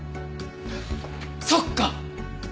そっか！